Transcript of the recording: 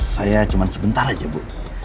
saya cuma sebentar aja bu